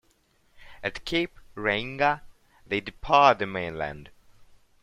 At Cape Reinga they depart the mainland.